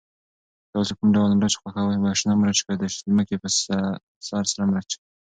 تاسو کوم ډول مرچ خوښوئ، شنه مرچ که د ځمکې په سر سره مرچ؟